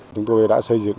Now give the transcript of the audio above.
chúng tôi đã xây dựng